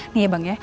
nih ya bang ya